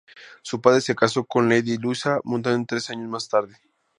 Su padre se casó con lady Luisa Mountbatten tres años más tarde.